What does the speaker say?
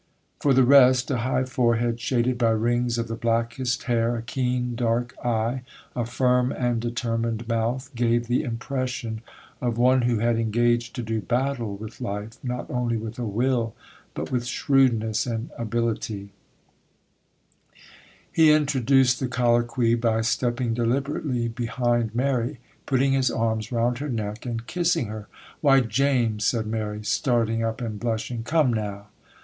For the rest, a high forehead shaded by rings of the blackest hair, a keen, dark eye, a firm and determined mouth, gave the impression of one who had engaged to do battle with life, not only with a will, but with shrewdness and ability. [Illustration: Mary and her Cousin. Page 20. Sampson Low, Son & Co. Jany. 24, 1859] He introduced the colloquy by stepping deliberately behind Mary, putting his arms round her neck, and kissing her. 'Why, James!' said Mary, starting up and blushing, 'Come, now!